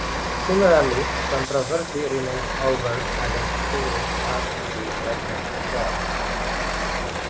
Similarly, controversy remains over other activities held to be dragnets as well.